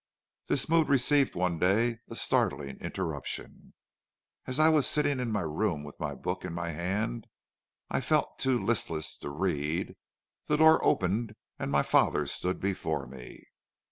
"This mood received one day a startling interruption. As I was sitting in my room with a book in my hand I felt too listless to read, the door opened, and my father stood before me.